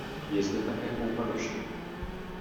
Je zde také koupaliště.